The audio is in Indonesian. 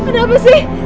ada apa sih